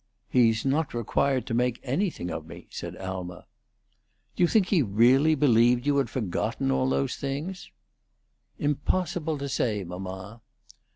"He's not required to make anything of me," said Alma. "Do you think he really believed you had forgotten all those things?" "Impossible to say, mamma."